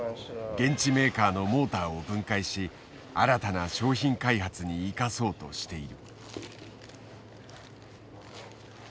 現地メーカーのモーターを分解し新たな商品開発に生かそうとしている。